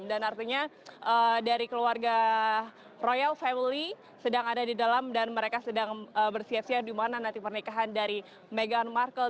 dan artinya dari keluarga royal family sedang ada di dalam dan mereka sedang bersiap siap di mana nanti pernikahan dari meghan markle